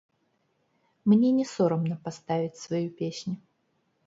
Мне не сорамна паставіць сваю песню.